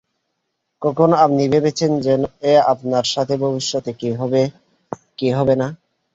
কখনো আপনি ভেবেছেন যে আপনার সাথে ভবিষ্যতে কী হবে কী হবে না?